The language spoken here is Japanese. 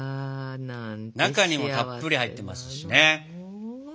中にもたっぷり入ってますしね。